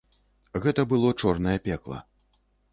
Гэта было чорнае пекла.